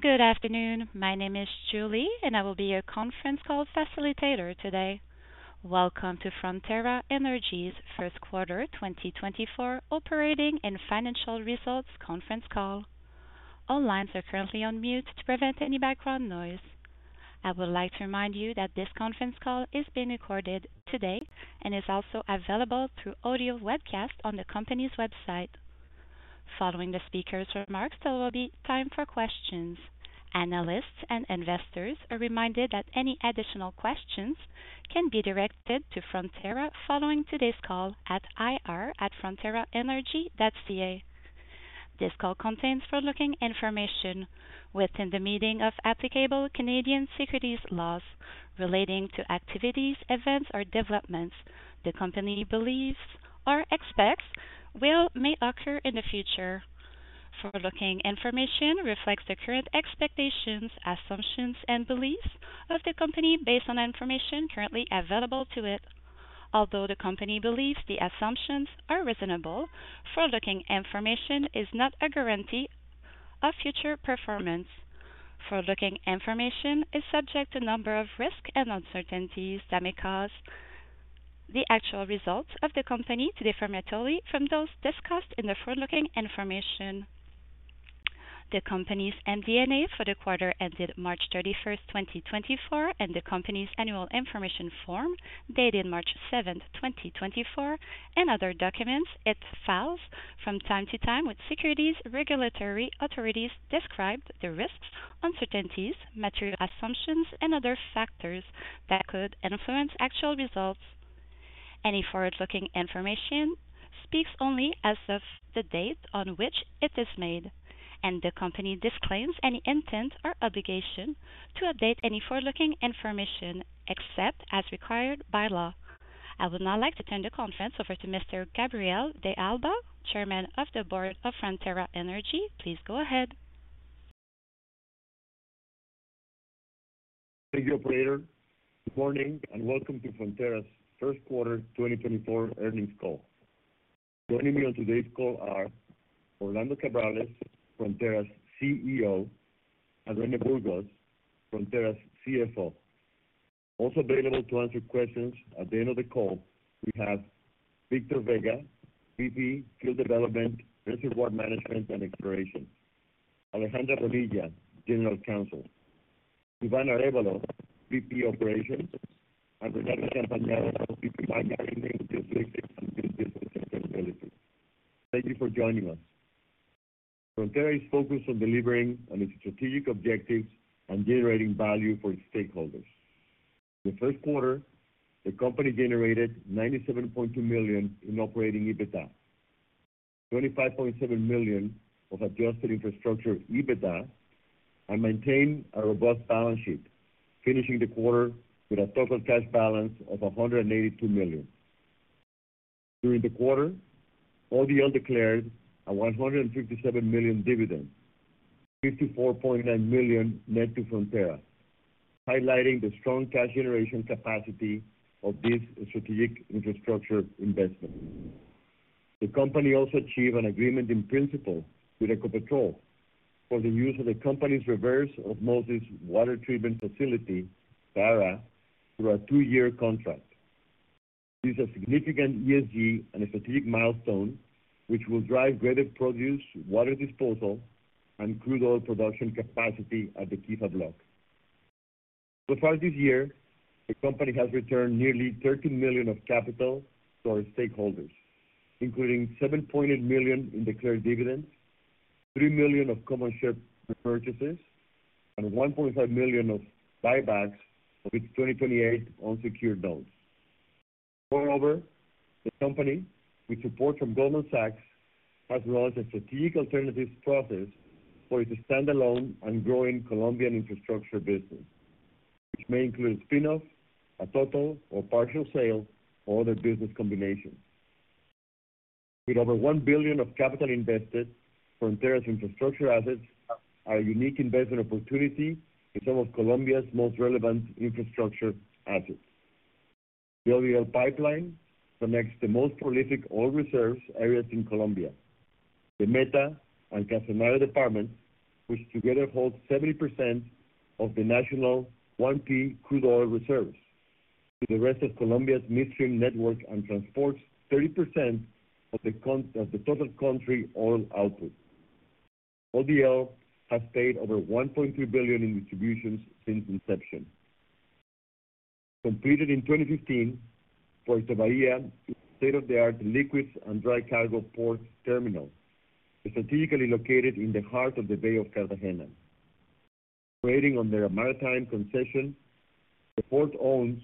Good afternoon. My name is Julie, and I will be your conference call facilitator today. Welcome to Frontera Energy's first quarter 2024 operating and financial results conference call. All lines are currently on mute to prevent any background noise. I would like to remind you that this conference call is being recorded today and is also available through audio webcast on the company's website. Following the speaker's remarks, there will be time for questions. Analysts and investors are reminded that any additional questions can be directed to Frontera following today's call at ir@fronteraenergy.ca. This call contains forward-looking information within the meaning of applicable Canadian securities laws relating to activities, events, or developments the company believes or expects will occur in the future. Forward-looking information reflects the current expectations, assumptions, and beliefs of the company based on information currently available to it. Although the company believes the assumptions are reasonable, forward-looking information is not a guarantee of future performance. Forward-looking information is subject to a number of risks and uncertainties that may cause the actual results of the company to differ from those discussed in the forward-looking information. The company's MD&A for the quarter ended March 31st, 2024, and the company's annual information form dated March 7th, 2024, and other documents it files from time to time with securities regulatory authorities describe the risks, uncertainties, material assumptions, and other factors that could influence actual results. Any forward-looking information speaks only as of the date on which it is made, and the company disclaims any intent or obligation to update any forward-looking information except as required by law. I would now like to turn the conference over to Mr. Gabriel de Alba, Chairman of the Board of Frontera Energy. Please go ahead. Thank you, Operator. Good morning and welcome to Frontera's first quarter 2024 earnings call. Joining me on today's call are Orlando Cabrales, Frontera's CEO, and René Burgos, Frontera's CFO. Also available to answer questions at the end of the call, we have Victor Vega, VP Field Development, Reservoir Management and Exploration; Alejandra Bonilla, General Counsel; Iván Arévalo, VP Operations; and Renata Campagnaro, VP Marketing, Logistics and Business Sustainability. Thank you for joining us. Frontera is focused on delivering on its strategic objectives and generating value for its stakeholders. In the first quarter, the company generated $97.2 million in operating EBITDA, $25.7 million of adjusted infrastructure EBITDA, and maintained a robust balance sheet, finishing the quarter with a total cash balance of $182 million. During the quarter, ODL declared a $157 million dividend, $54.9 million net to Frontera, highlighting the strong cash generation capacity of this strategic infrastructure investment. The company also achieved an agreement in principle with Ecopetrol for the use of the company's reverse osmosis water treatment facility, SAARA, through a two-year contract. This is a significant ESG and strategic milestone which will drive greater produced water disposal and crude oil production capacity at the Quifa block. So far this year, the company has returned nearly $30 million of capital to our stakeholders, including $7.8 million in declared dividends, $3 million of common share purchases, and $1.5 million of buybacks of its 2028 unsecured loans. Moreover, the company, with support from Goldman Sachs, has launched a strategic alternatives process for its standalone and growing Colombian infrastructure business which may include a spinoff, a total or partial sale, or other business combinations. With over $1 billion of capital invested, Frontera's infrastructure assets are a unique investment opportunity in some of Colombia's most relevant infrastructure assets. The ODL pipeline connects the most prolific oil reserves areas in Colombia, the Meta and Casanare departments which together hold 70% of the national 1P crude oil reserves, to the rest of Colombia's midstream network and transports 30% of the total country oil output. ODL has paid over $1.3 billion in distributions since inception. Completed in 2015, Puerto Bahía is a state-of-the-art liquids and dry cargo port terminal strategically located in the heart of the Bay of Cartagena. Operating under a maritime concession, the port owns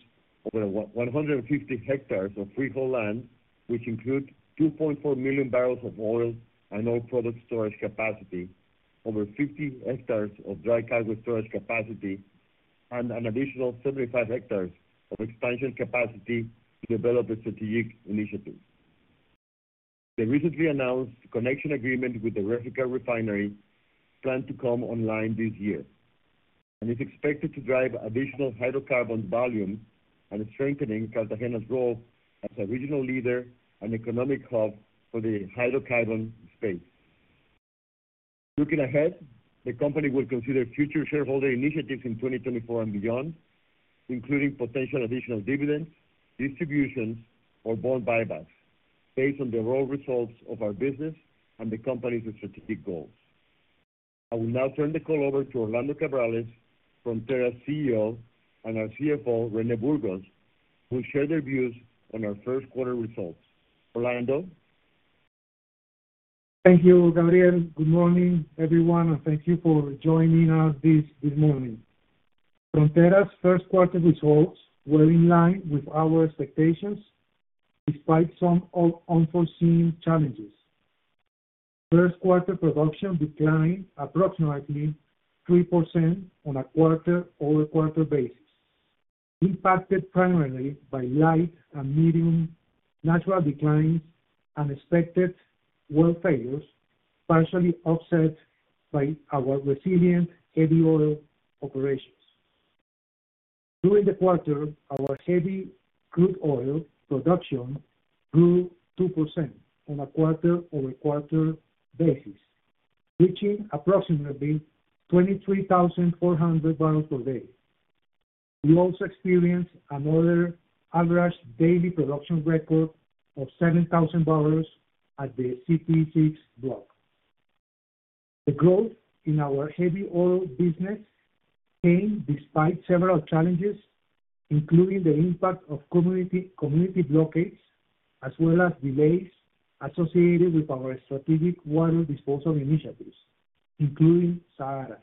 over 150 hectares of freehold land which include 2.4 million barrels of oil and oil product storage capacity, over 50 hectares of dry cargo storage capacity, and an additional 75 hectares of expansion capacity to develop a strategic initiative. The recently announced connection agreement with the Reficar refinery planned to come online this year and is expected to drive additional hydrocarbon volume and strengthening Cartagena's role as a regional leader and economic hub for the hydrocarbon space. Looking ahead, the company will consider future shareholder initiatives in 2024 and beyond, including potential additional dividends, distributions, or bond buybacks based on the raw results of our business and the company's strategic goals. I will now turn the call over to Orlando Cabrales, Frontera's CEO, and our CFO, René Burgos, who will share their views on our first quarter results. Orlando? Thank you, Gabriel. Good morning, everyone, and thank you for joining us this morning. Frontera's first quarter results were in line with our expectations despite some unforeseen challenges. First quarter production declined approximately 3% on a quarter-over-quarter basis, impacted primarily by light and medium natural declines and expected oil failures partially offset by our resilient heavy oil operations. During the quarter, our heavy crude oil production grew 2% on a quarter-over-quarter basis, reaching approximately 23,400 barrels per day. We also experienced another average daily production record of 7,000 barrels at the CPE-6 block. The growth in our heavy oil business came despite several challenges, including the impact of community blockades as well as delays associated with our strategic water disposal initiatives, including SAARA.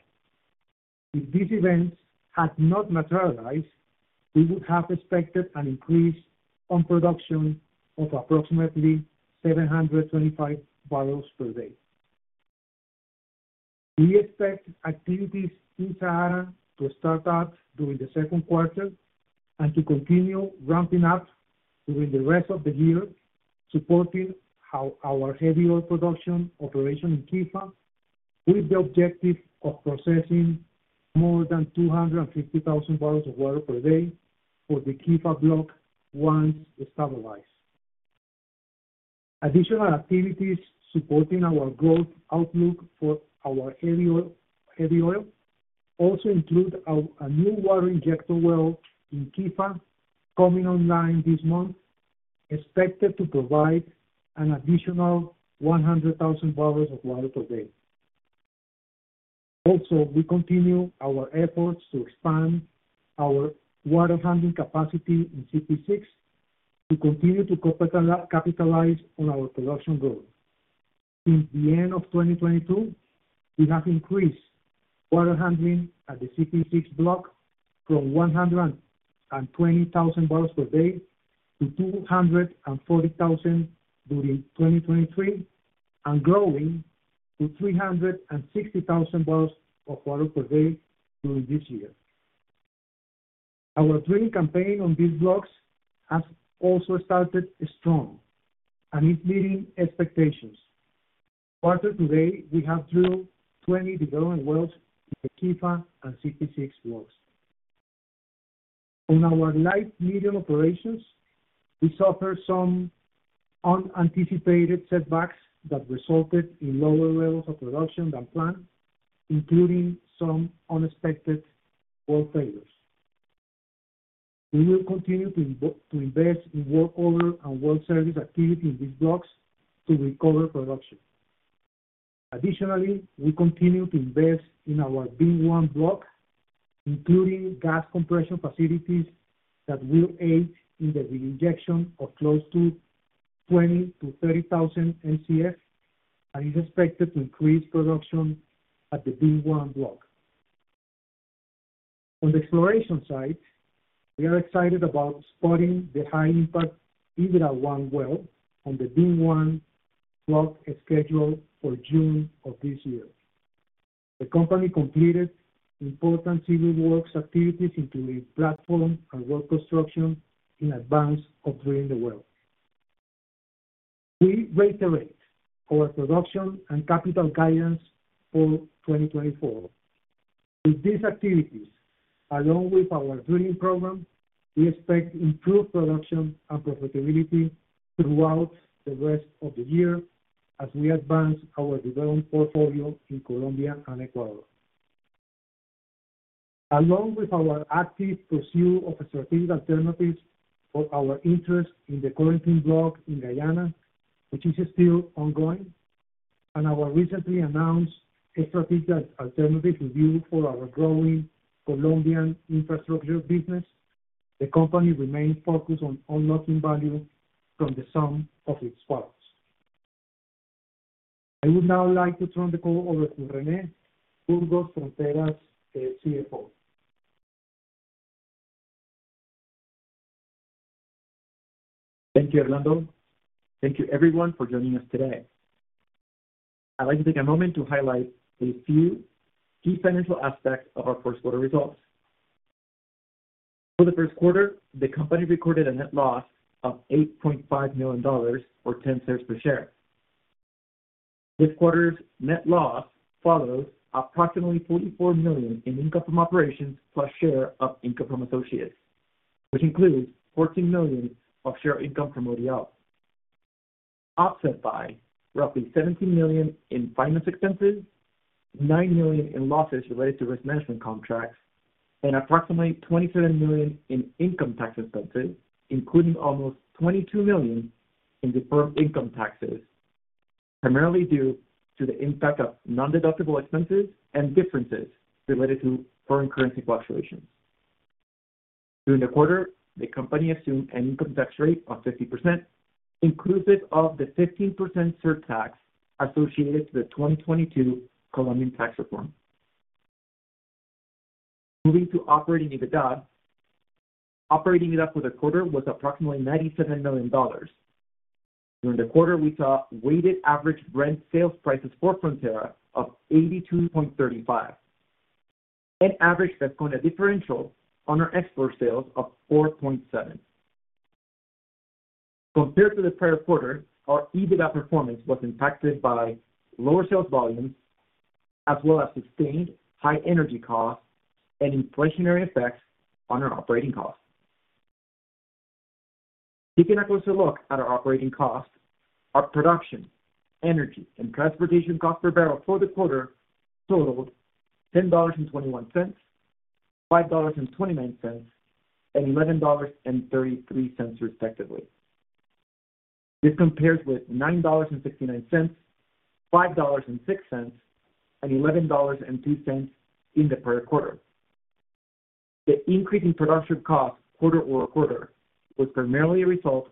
If these events had not materialized, we would have expected an increase on production of approximately 725 barrels per day. We expect activities in SAARA to start up during the second quarter and to continue ramping up during the rest of the year, supporting our heavy oil production operation in Quifa with the objective of processing more than 250,000 barrels of water per day for the Quifa block once stabilized. Additional activities supporting our growth outlook for our heavy oil also include a new water injector well in Quifa coming online this month, expected to provide an additional 100,000 barrels of water per day. Also, we continue our efforts to expand our water handling capacity in CPE-6 to continue to capitalize on our production growth. Since the end of 2022, we have increased water handling at the CPE-6 block from 120,000 barrels per day to 240,000 during 2023 and growing to 360,000 barrels of water per day during this year. Our drilling campaign on these blocks has also started strong and is meeting expectations. Year to date, we have drilled 20 development wells in the Quifa and CPE-6 blocks. On our light and medium operations, we suffered some unanticipated setbacks that resulted in lower levels of production than planned, including some unexpected well failures. We will continue to invest in workover and well services activity in these blocks to recover production. Additionally, we continue to invest in our VIM-1 block, including gas compression facilities that will aid in the reinjection of close to 20,000-30,000 MCF and is expected to increase production at the VIM-1 block. On the exploration side, we are excited about spudding the high impact Hydra-1 well on the VIM-1 block scheduled for June of this year. The company completed important civil works activities, including platform and road construction, in advance of drilling the well. We reiterate our production and capital guidance for 2024. With these activities, along with our drilling program, we expect improved production and profitability throughout the rest of the year as we advance our development portfolio in Colombia and Ecuador. Along with our active pursuit of a strategic alternative for our interest in the Corentyne block in Guyana, which is still ongoing, and our recently announced strategic alternative review for our growing Colombian infrastructure business, the company remains focused on unlocking value from the sum of its products. I would now like to turn the call over to René Burgos, Frontera's CFO. Thank you, Orlando. Thank you, everyone, for joining us today. I'd like to take a moment to highlight a few key financial aspects of our first quarter results. For the first quarter, the company recorded a net loss of $8.5 million or $0.10 per share. This quarter's net loss follows approximately $44 million in income from operations plus share of income from associates, which includes $14 million of share income from ODL, offset by roughly $17 million in finance expenses, $9 million in losses related to risk management contracts, and approximately $27 million in income tax expenses, including almost $22 million in deferred income taxes, primarily due to the impact of non-deductible expenses and differences related to foreign currency fluctuations. During the quarter, the company assumed an income tax rate of 50%, inclusive of the 15% surtax associated to the 2022 Colombian tax reform. Moving to operating EBITDA, operating EBITDA for the quarter was approximately $97 million. During the quarter, we saw weighted average Brent sales prices for Frontera of $82.35 and average Vasconia differential on our export sales of $4.7. Compared to the prior quarter, our EBITDA performance was impacted by lower sales volumes as well as sustained high energy costs and inflationary effects on our operating costs. Taking a closer look at our operating costs, our production, energy, and transportation costs per barrel for the quarter totaled $10.21, $5.29, and $11.33 respectively. This compares with $9.69, $5.06, and $11.02 in the prior quarter. The increase in production costs quarter-over-quarter was primarily a result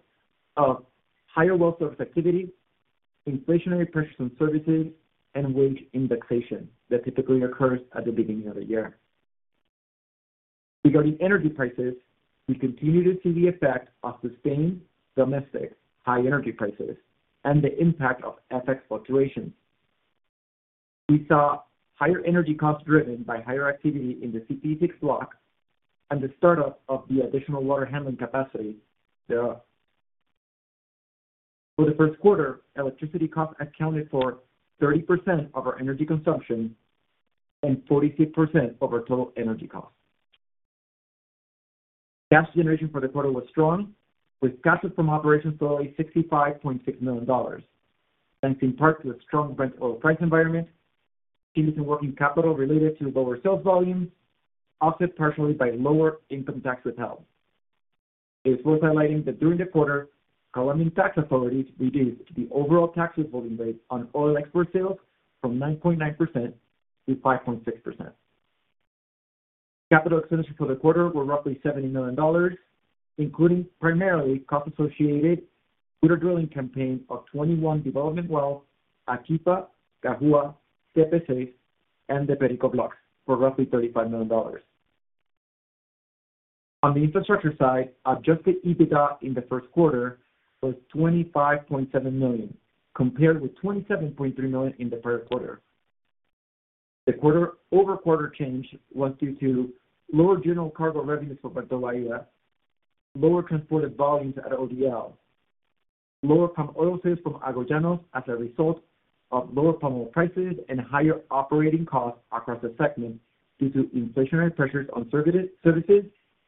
of higher well service activity, inflationary pressures on services, and wage indexation that typically occurs at the beginning of the year. Regarding energy prices, we continue to see the effect of sustained domestic high energy prices and the impact of FX fluctuations. We saw higher energy costs driven by higher activity in the CPE-6 block and the startup of the additional water handling capacity. For the first quarter, electricity costs accounted for 30% of our energy consumption and 46% of our total energy costs. Gas generation for the quarter was strong, with cash flow from operations totaling $65.6 million, thanks in part to a strong Brent oil price environment, changes in working capital related to lower sales volumes, offset partially by lower income tax withheld. It is worth highlighting that during the quarter, Colombian tax authorities reduced the overall tax withholding rate on oil export sales from 9.9% to 5.6%. Capital expenditures for the quarter were roughly $70 million, including primarily cost-associated water drilling campaign of 21 development wells at Quifa, Cajua, CPE-6, and the Perico blocks for roughly $35 million. On the infrastructure side, adjusted EBITDA in the first quarter was $25.7 million compared with $27.3 million in the prior quarter. The quarter-over-quarter change was due to lower general cargo revenues for Puerto Bahia, lower transported volumes at ODL, lower palm oil sales from Los Llanos as a result of lower palm oil prices, and higher operating costs across the segment due to inflationary pressures on services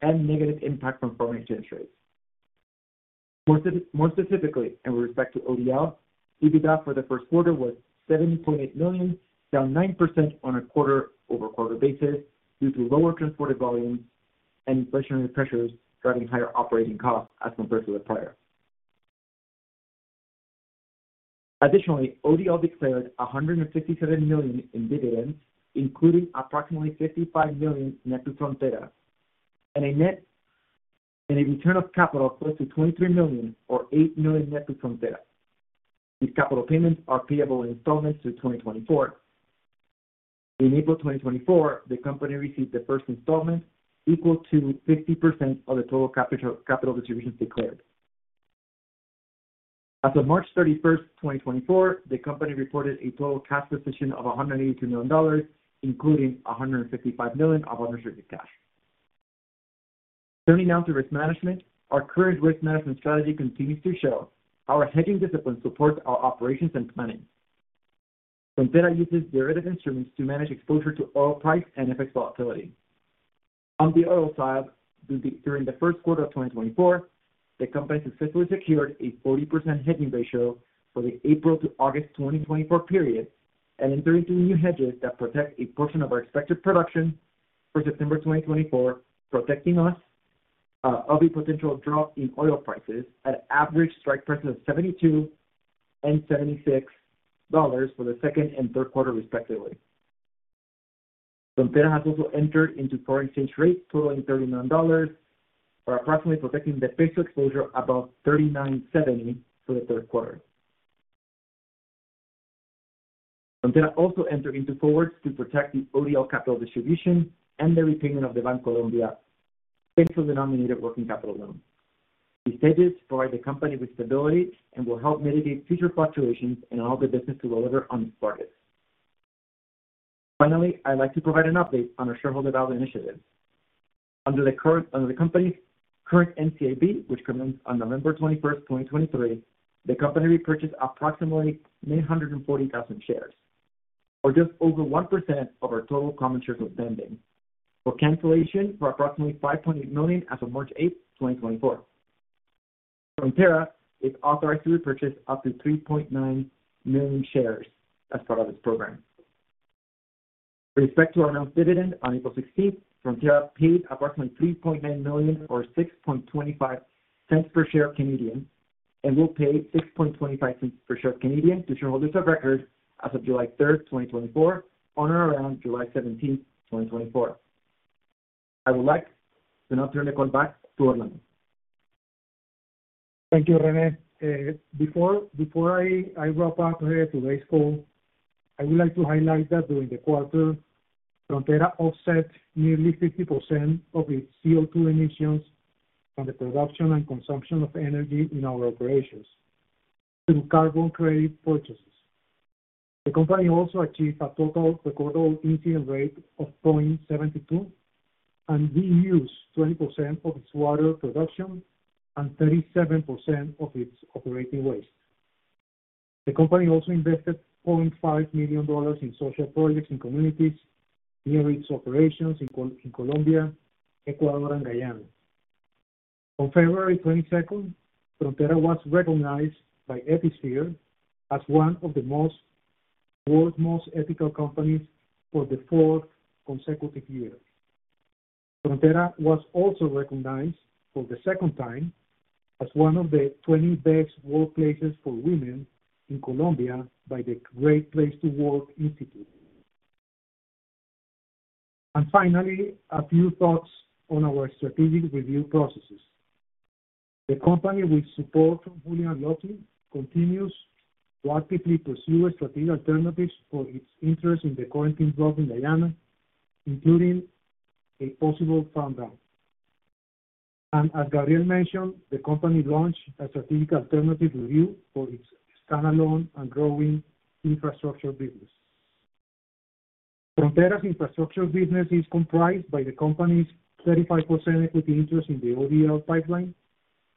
and negative impact from foreign exchange rates. More specifically, in respect to ODL, EBITDA for the first quarter was $7.8 million, down 9% on a quarter-over-quarter basis due to lower transported volumes and inflationary pressures driving higher operating costs as compared to the prior. Additionally, ODL declared $157 million in dividends, including approximately $55 million net to Frontera, and a return of capital close to $23 million or $8 million net to Frontera. These capital payments are payable in installments through 2024. In April 2024, the company received the first installment equal to 50% of the total capital distributions declared. As of March 31st, 2024, the company reported a total cash position of $182 million, including $155 million of unrestricted cash. Turning now to risk management, our current risk management strategy continues to show our hedging discipline supports our operations and planning. Frontera uses derivative instruments to manage exposure to oil price and FX volatility. On the oil side, during the first quarter of 2024, the company successfully secured a 40% hedging ratio for the April to August 2024 period and entering through new hedges that protect a portion of our expected production for September 2024, protecting us of a potential drop in oil prices at average strike prices of $72 and $76 for the second and third quarter, respectively. Frontera has also entered into foreign exchange rates totaling $30 million for approximately protecting the peso exposure above 39.70 for the third quarter. Frontera also entered into forwards to protect the ODL capital distribution and the repayment of the Bancolombia principal denominated working capital loan. These hedges provide the company with stability and will help mitigate future fluctuations and allow the business to deliver on its targets. Finally, I'd like to provide an update on our shareholder value initiative. Under the company's current NCIB, which commenced on November 21st, 2023, the company repurchased approximately 940,000 shares or just over 1% of our total common shares pending for cancellation for approximately 5.8 million as of March 8th, 2024. Frontera is authorized to repurchase up to 3.9 million shares as part of its program. With respect to our announced dividend on April 16th, Frontera paid approximately 3.9 million or 0.0625 per share and will pay 0.0625 per share to shareholders of record as of July 3rd, 2024, on or around July 17th, 2024. I would like to now turn the call back to Orlando. Thank you, René. Before I wrap up today's call, I would like to highlight that during the quarter, Frontera offset nearly 50% of its CO2 emissions from the production and consumption of energy in our operations through carbon credit purchases. The company also achieved a total recordable incident rate of 0.72 and reused 20% of its water production and 37% of its operating waste. The company also invested $0.5 million in social projects in communities near its operations in Colombia, Ecuador, and Guyana. On February 22nd, Frontera was recognized by Ethisphere as one of the world's most ethical companies for the fourth consecutive year. Frontera was also recognized for the second time as one of the 20 best workplaces for women in Colombia by the Great Place to Work Institute. And finally, a few thoughts on our strategic review processes. The company with support from Jefferies continues to actively pursue strategic alternatives for its interest in the Corentyne block in Guyana, including a possible farm-down. As Gabriel mentioned, the company launched a strategic alternative review for its standalone and growing infrastructure business. Frontera's infrastructure business is comprised by the company's 35% equity interest in the ODL pipeline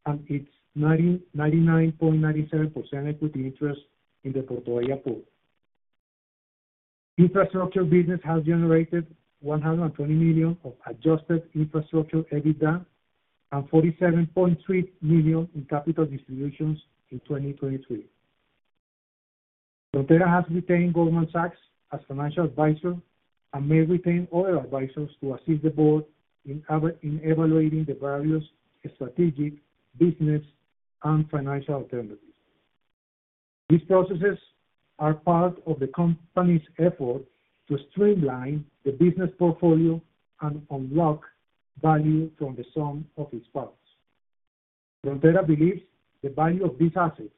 and its 99.97% equity interest in the Puerto Bahía port. Infrastructure business has generated $120 million of adjusted infrastructure EBITDA and $47.3 million in capital distributions in 2023. Frontera has retained Goldman Sachs as financial advisor and may retain other advisors to assist the board in evaluating the various strategic business and financial alternatives. These processes are part of the company's effort to streamline the business portfolio and unlock value from the sum of its parts. Frontera believes the value of these assets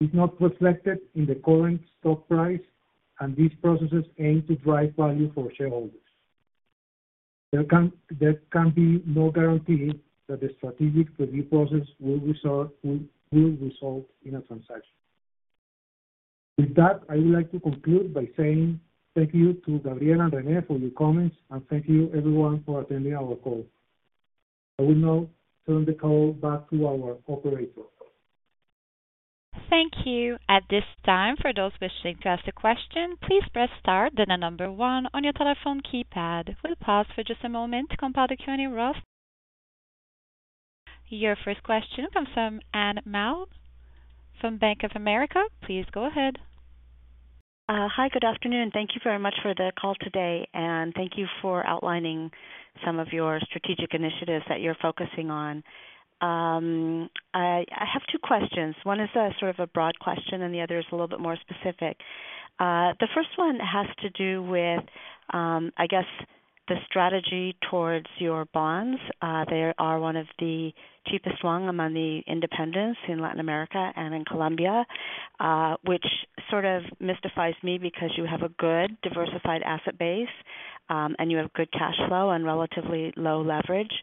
is not reflected in the current stock price, and these processes aim to drive value for shareholders. There can be no guarantee that the strategic review process will result in a transaction. With that, I would like to conclude by saying thank you to Gabriel and René for your comments, and thank you, everyone, for attending our call. I will now turn the call back to our operator. Thank you. At this time, for those wishing to ask a question, please press Start, then a number one on your telephone keypad. We'll pause for just a moment to compile the Q&A roster. Your first question comes from Anne Milne from Bank of America. Please go ahead. Hi. Good afternoon. Thank you very much for the call today, and thank you for outlining some of your strategic initiatives that you're focusing on. I have two questions. One is sort of a broad question, and the other is a little bit more specific. The first one has to do with, I guess, the strategy towards your bonds. They are one of the cheapest ones among the independents in Latin America and in Colombia, which sort of mystifies me because you have a good diversified asset base and you have good cash flow and relatively low leverage.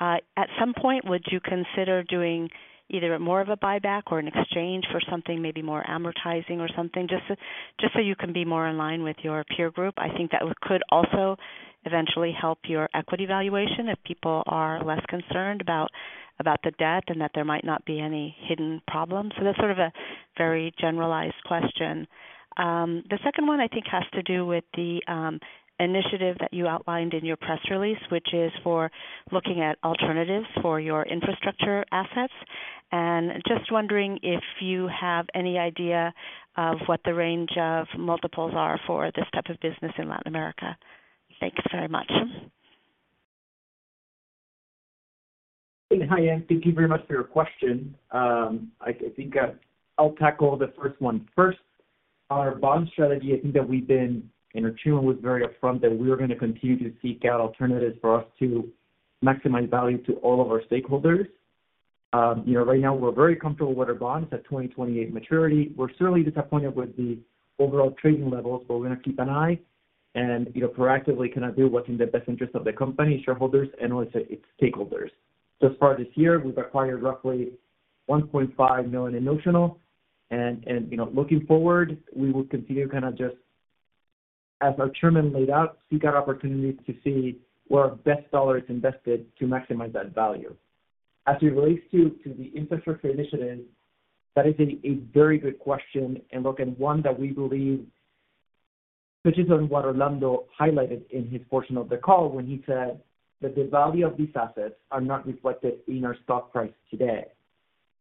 At some point, would you consider doing either more of a buyback or an exchange for something maybe more amortizing or something, just so you can be more in line with your peer group? I think that could also eventually help your equity valuation if people are less concerned about the debt and that there might not be any hidden problems. So that's sort of a very generalized question. The second one, I think, has to do with the initiative that you outlined in your press release, which is for looking at alternatives for your infrastructure assets. Just wondering if you have any idea of what the range of multiples are for this type of business in Latin America? Thanks very much. Hi, Anne. Thank you very much for your question. I think I'll tackle the first one first. On our bond strategy, I think that we've been and our chairman was very upfront that we were going to continue to seek out alternatives for us to maximize value to all of our stakeholders. Right now, we're very comfortable with our bonds. It's at 2028 maturity. We're certainly disappointed with the overall trading levels, but we're going to keep an eye and proactively kind of do what's in the best interest of the company, shareholders, and also its stakeholders. So as far as this year, we've acquired roughly $1.5 million in notional. And looking forward, we will continue kind of just, as our chairman laid out, seek out opportunities to see where our best dollar is invested to maximize that value. As it relates to the infrastructure initiative, that is a very good question. And look, and one that we believe touches on what Orlando highlighted in his portion of the call when he said that the value of these assets are not reflected in our stock price today.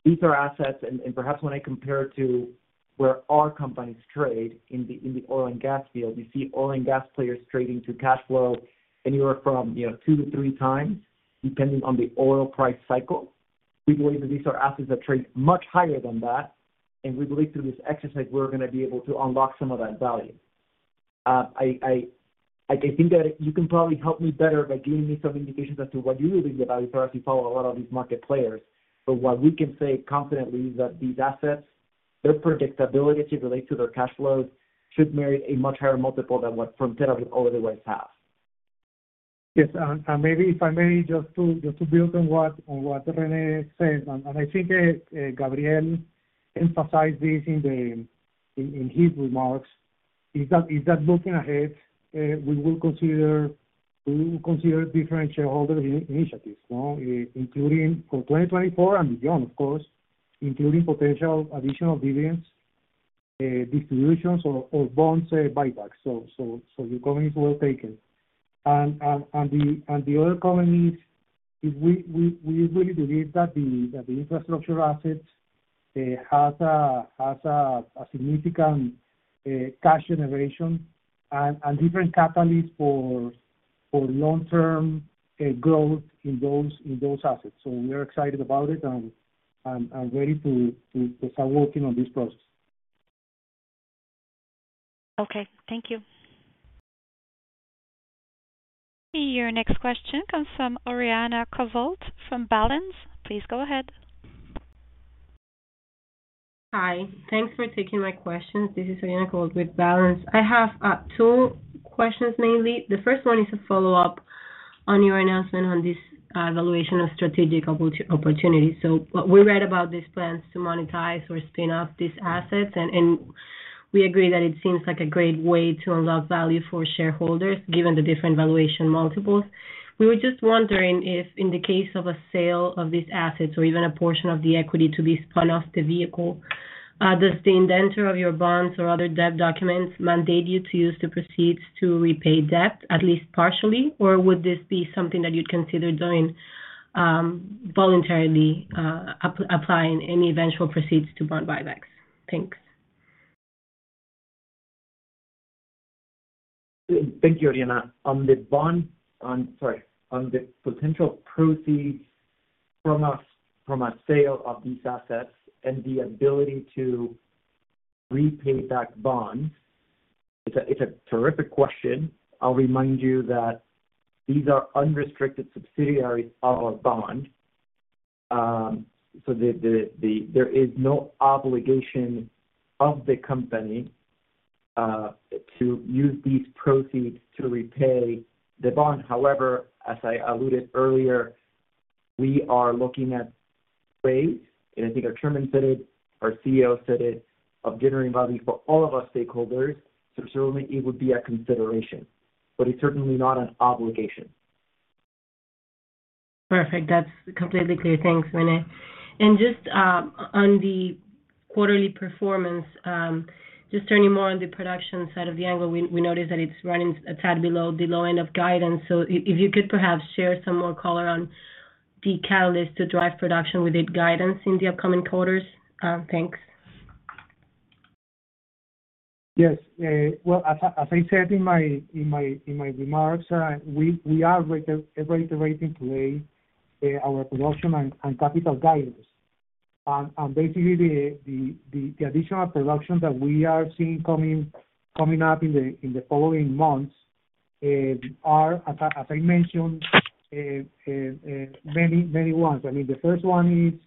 These are assets. And perhaps when I compare it to where our companies trade in the oil and gas field, you see oil and gas players trading to cash flow anywhere from 2-3 times depending on the oil price cycle. We believe that these are assets that trade much higher than that. And we believe through this exercise, we're going to be able to unlock some of that value. I think that you can probably help me better by giving me some indications as to what you believe the value is or as you follow a lot of these market players. But what we can say confidently is that these assets, their predictability as it relates to their cash flows should merit a much higher multiple than what Frontera would otherwise have. Yes. Maybe, if I may, just to build on what René said, and I think Gabriel emphasized this in his remarks, is that looking ahead, we will consider different shareholder initiatives, including for 2024 and beyond, of course, including potential additional dividends distributions or bonds buybacks. So your comment is well taken. The other comment is we really believe that the infrastructure assets have a significant cash generation and different catalysts for long-term growth in those assets. So we are excited about it and ready to start working on this process. Okay. Thank you. Your next question comes from Oriana Covault from Balanz. Please go ahead. Hi. Thanks for taking my questions. This is Oriana Covault with Balanz. I have two questions mainly. The first one is a follow-up on your announcement on this evaluation of strategic opportunities. So we read about these plans to monetize or spin off these assets, and we agree that it seems like a great way to unlock value for shareholders given the different valuation multiples. We were just wondering if in the case of a sale of these assets or even a portion of the equity to be spun off the vehicle, does the indenture of your bonds or other debt documents mandate you to use the proceeds to repay debt, at least partially, or would this be something that you'd consider doing voluntarily applying any eventual proceeds to bond buybacks? Thanks. Thank you, Oriana. On the bonds, sorry, on the potential proceeds from a sale of these assets and the ability to repay back bonds, it's a terrific question. I'll remind you that these are unrestricted subsidiaries of a bond. So there is no obligation of the company to use these proceeds to repay the bond. However, as I alluded earlier, we are looking at ways, and I think our chairman said it, our CEO said it, of generating value for all of our stakeholders. So certainly, it would be a consideration, but it's certainly not an obligation. Perfect. That's completely clear. Thanks, René. Just on the quarterly performance, just turning more on the production side of the angle, we noticed that it's running a tad below the low end of guidance. So if you could perhaps share some more color on the catalysts to drive production within guidance in the upcoming quarters? Thanks. Yes. Well, as I said in my remarks, we are reiterating today our production and capital guidance. And basically, the additional production that we are seeing coming up in the following months are, as I mentioned, many, many ones. I mean, the first one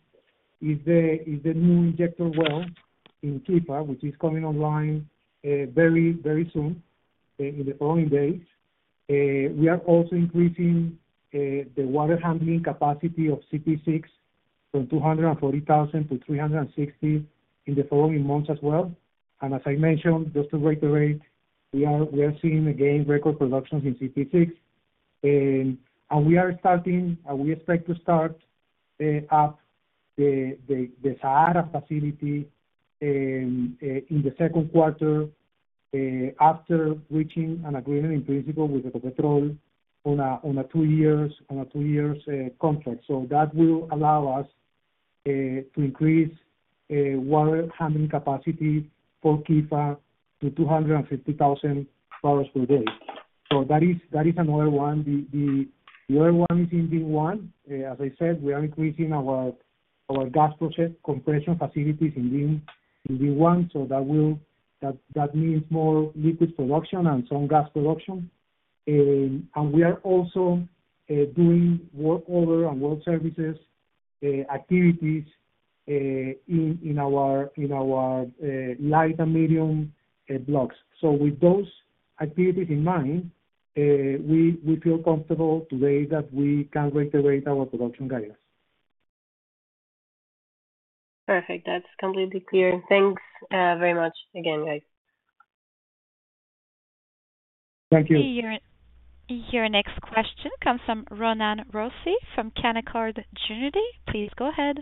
is the new injector well in Quifa, which is coming online very, very soon in the following days. We are also increasing the water handling capacity of CPE-6 from 240,000 to 360,000 in the following months as well. And as I mentioned, just to reiterate, we are seeing again record productions in CPE-6. And we are starting, and we expect to start up the SAARA facility in the second quarter after reaching an agreement in principle with Ecopetrol on a two-year contract. So that will allow us to increase water handling capacity for Quifa to 250,000 barrels per day. So that is another one. The other one is in VIM-1. As I said, we are increasing our gas process compression facilities in VIM-1. So that means more liquid production and some gas production. And we are also doing workover and well services activities in our light and medium blocks. So with those activities in mind, we feel comfortable today that we can reiterate our production guidance. Perfect. That's completely clear. Thanks very much again, guys. Thank you. Your next question comes from Roman Rossi from Canaccord Genuity. Please go ahead.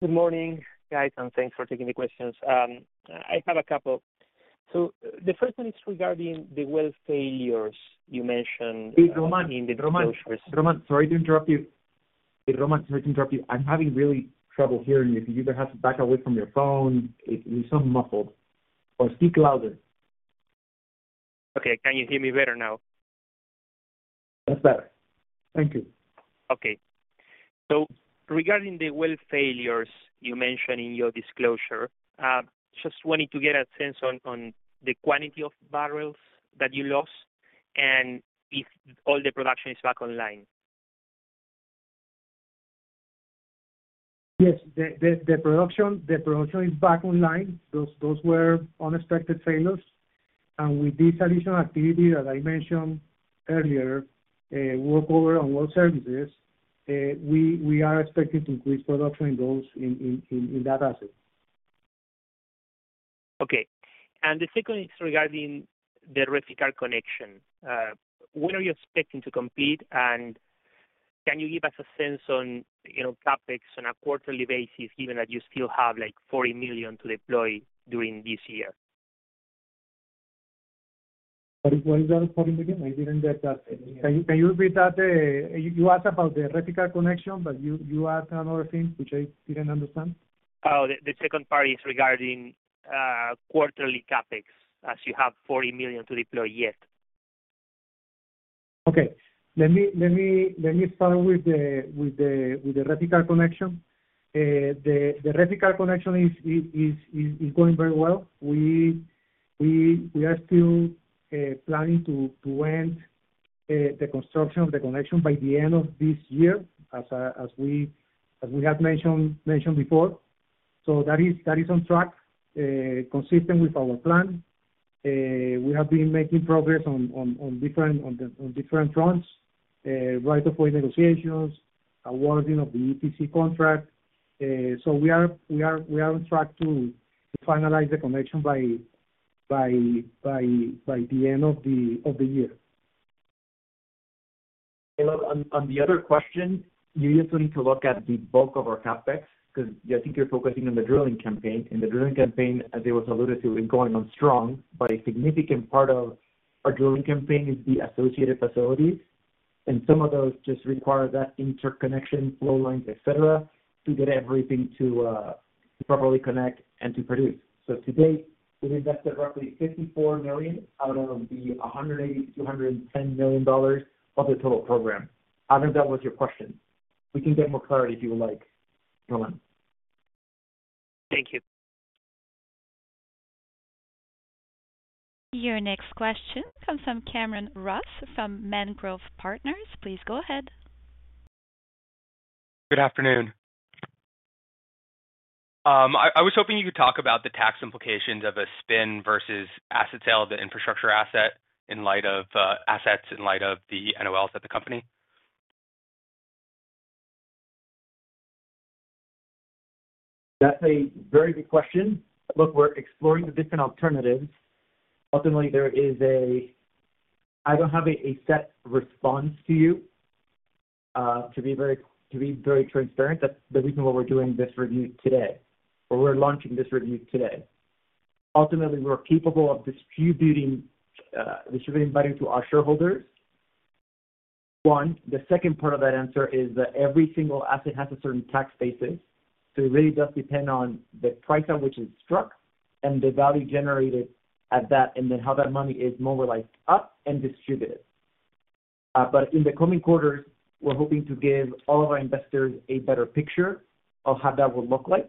Good morning, guys, and thanks for taking the questions. I have a couple. The first one is regarding the well failures you mentioned in the Quifa. Hey, Roman. Sorry to interrupt you. Hey, Roman, sorry to interrupt you. I'm having really trouble hearing you. If you could perhaps back away from your phone, it's a little bit muffled. Or speak louder. Okay. Can you hear me better now? That's better. Thank you. Okay. Regarding the well failures you mentioned in your disclosure, just wanted to get a sense on the quantity of barrels that you lost and if all the production is back online? Yes. The production is back online. Those were unexpected failures. With this additional activity that I mentioned earlier, work order and well services, we are expecting to increase production in that asset. Okay. And the second is regarding the Reficar connection. When are you expecting to complete? And can you give us a sense on CapEx on a quarterly basis given that you still have $40 million to deploy during this year? What is that $40 million? I didn't get that. Can you repeat that? You asked about the Reficar connection, but you added another thing, which I didn't understand. Oh, the second part is regarding quarterly CapEx as you have $40 million to deploy yet. Okay. Let me start with the Reficar connection. The Reficar connection is going very well. We are still planning to end the construction of the connection by the end of this year as we have mentioned before. That is on track, consistent with our plan. We have been making progress on different fronts, right of way negotiations, awarding of the EPC contract. We are on track to finalize the connection by the end of the year. Look, on the other question, you just need to look at the bulk of our CapEx because I think you're focusing on the drilling campaign. The drilling campaign, as it was alluded to, is going on strong. But a significant part of our drilling campaign is the associated facilities. Some of those just require that interconnection, flow lines, etc., to get everything to properly connect and to produce. So today, we've invested roughly $54 million out of the $180 million-$210 million of the total program. I don't know if that was your question. We can get more clarity if you would like, Roman. Thank you. Your next question comes from Cameron Ross from Mangrove Partners. Please go ahead. Good afternoon. I was hoping you could talk about the tax implications of a spin versus asset sale of the infrastructure asset in light of the NOLs at the company. That's a very good question. Look, we're exploring the different alternatives. Ultimately, I don't have a set response to you. To be very transparent, that's the reason why we're doing this review today, or we're launching this review today. Ultimately, we're capable of distributing value to our shareholders, one. The second part of that answer is that every single asset has a certain tax basis. So it really does depend on the price at which it's struck and the value generated at that and then how that money is mobilized up and distributed. But in the coming quarters, we're hoping to give all of our investors a better picture of how that will look like.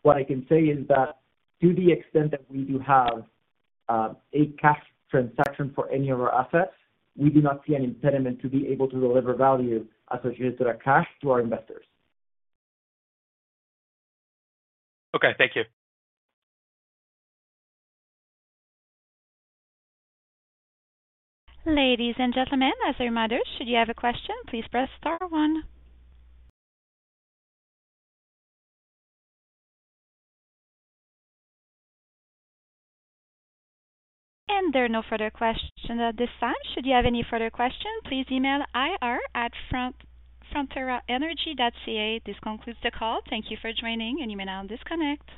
What I can say is that to the extent that we do have a cash transaction for any of our assets, we do not see an impediment to be able to deliver value associated with our cash to our investors. Okay. Thank you. Ladies and gentlemen, as a reminder, should you have a question, please press star one. There are no further questions at this time. Should you have any further questions, please email ir@fronteraenergy.ca. This concludes the call. Thank you for joining, and you may now disconnect.